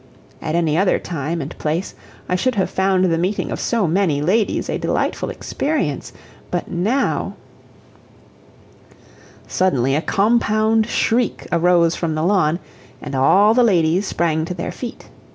At any other time and place I should have found the meeting of so many ladies a delightful experience, but now Suddenly a compound shriek arose from the lawn, and all the ladies sprang to their feet.